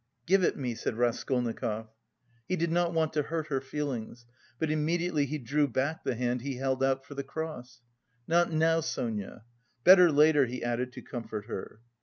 "Give it me," said Raskolnikov. He did not want to hurt her feelings. But immediately he drew back the hand he held out for the cross. "Not now, Sonia. Better later," he added to comfort her.